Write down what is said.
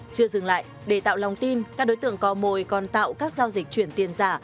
chưa dừng lại để tạo lòng tin các đối tượng có mồi còn tạo các giao dịch chuyển tiền giả